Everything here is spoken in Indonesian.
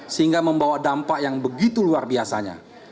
sehingga membawa dampak yang begitu luar biasanya